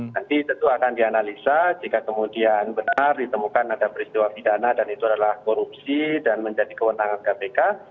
nanti tentu akan dianalisa jika kemudian benar ditemukan ada peristiwa pidana dan itu adalah korupsi dan menjadi kewenangan kpk